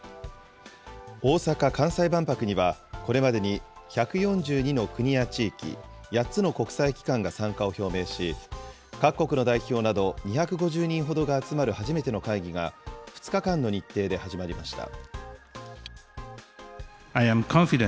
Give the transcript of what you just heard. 大阪・関西万博には、これまでに１４２の国や地域、８つの国際機関が参加を表明し、各国の代表など２５０人ほどが集まる初めての会議が、２日間の日程で始まりました。